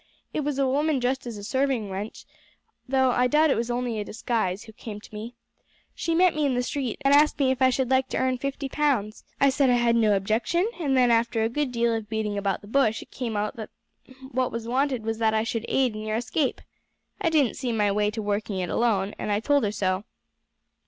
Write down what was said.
"It was a woman dressed as a serving wench, though I doubt it was only a disguise, who came to me. She met me in the street and asked me if I should like to earn fifty pounds. I said I had no objection, and then after a good deal of beating about the bush it came out that what was wanted was that I should aid in your escape. I didn't see my way to working it alone, and I told her so.